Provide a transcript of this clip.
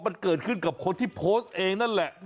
มันเกิดขึ้นกับคนที่โพสต์เองนั่นแหละ